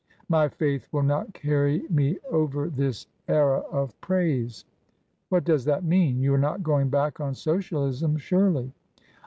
" My faith will not carry me over this era of praise." "What does that mean? You are not going back on Socialism, surely